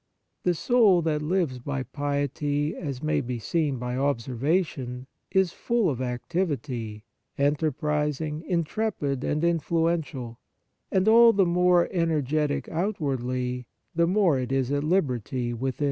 The soul that lives by piety, as may be seen by observation, is full of activity, enter prising, intrepid and influential, and all the more energetic outwardly, the more it is at liberty within.